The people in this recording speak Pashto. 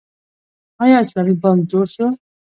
آیا اسلامي بانک جوړ شو؟